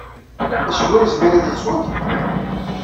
Acemma ur yezmir ad yettweg?